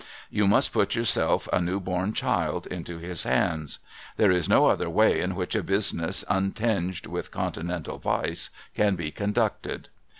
You must put yourself a new born Child into his hands. There is no other way in which a business untinged with Continental Vice can be conducted.